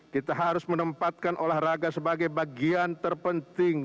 kita harus menempatkan olahraga sebagai bagian terpenting